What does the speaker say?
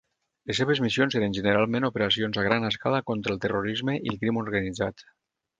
Les seves missions eren generalment operacions a gran escala contra el terrorisme i el crim organitzat.